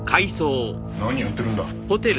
なにやってるんだ？